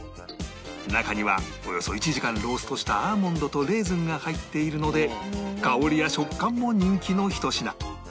中にはおよそ１時間ローストしたアーモンドとレーズンが入っているので香りや食感も人気の１品